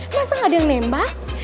masa gak ada yang nembak